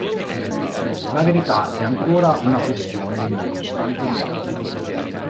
La verità è ancora una questione in costante dibattito.